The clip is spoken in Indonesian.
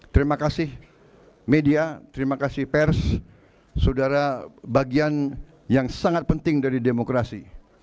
terima kasih media terima kasih pers saudara bagian yang sangat penting dari demokrasi